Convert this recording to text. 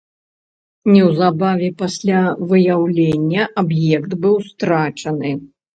Неўзабаве пасля выяўлення аб'ект быў страчаны.